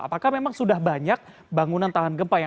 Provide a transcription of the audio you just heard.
apakah memang sudah banyak bangunan tahan gempa yang